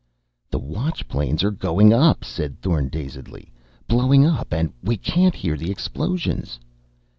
"The watch planes are going up!" said Thorn dazedly. "Blowing up! And we can't hear the explosions!"